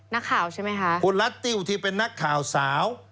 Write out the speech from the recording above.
นักข่าวใช่ไหมคะคุณลัดติ้วที่เป็นนักข่าวสาว